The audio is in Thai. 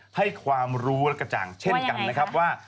ให้ความรู้และกระจ่างเช่นกันนะครับว่า